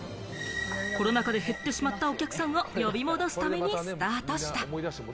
コロナ禍で減ってしまったお客さんを呼び戻すためにスタートした。